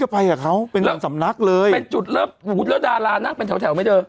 ไปกับเขามีจุดเลิฟ